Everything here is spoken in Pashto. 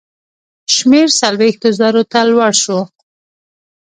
شمېر څلوېښتو زرو ته لوړ شو.